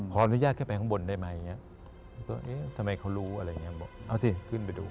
พออนุญาตแค่ไปข้างบนได้ไหมทำไมเขารู้เอาสิขึ้นไปดู